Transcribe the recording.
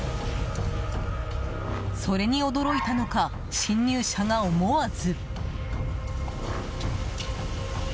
それに驚いたのか侵入者が思わず。